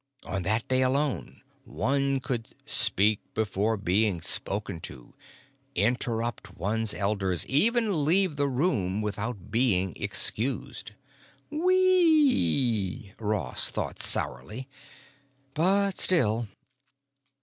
On that day alone one could Speak Before Being Spoken To, Interrupt One's Elders, even Leave the Room without Being Excused. Whee, Ross thought sourly. But still....